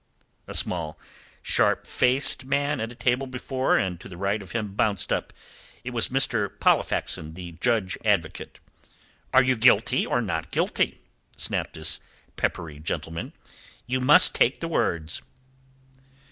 A small, sharp faced man at a table before and to the right of him bounced up. It was Mr. Pollexfen, the Judge Advocate. "Are you guilty or not guilty?" snapped this peppery gentleman. "You must take the words."